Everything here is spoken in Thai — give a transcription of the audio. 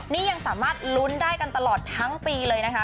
นี่ยังสามารถลุ้นได้กันตลอดทั้งปีเลยนะคะ